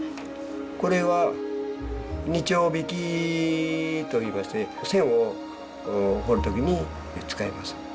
これは「二丁引き」といいまして線を彫るときに使います。